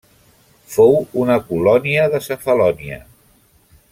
Fou una colònia de Cefalònia.